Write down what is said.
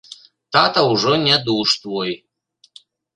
Тата ўжо нядуж твой.